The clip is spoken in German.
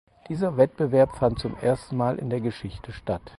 Dieser Wettbewerb fand zum ersten Mal in der Geschichte statt.